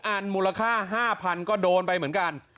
อันมูลค่า๕๐๐๐ก็โดนไปเหมือนกัน